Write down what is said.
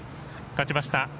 勝ちました